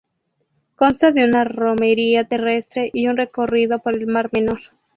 Consta de una romería terrestre y un recorrido por el Mar Menor.